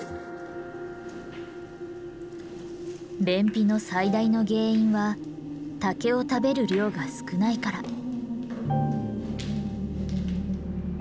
便秘の最大の原因は竹を食べる量が少ないから。